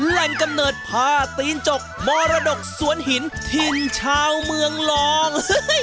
กำเนิดผ้าตีนจกมรดกสวนหินถิ่นชาวเมืองรอง